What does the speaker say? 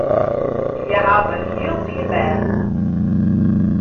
Hja hawwe in hiel team bern.